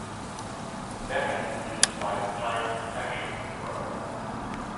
Mecha used by the Time Protection Bureau.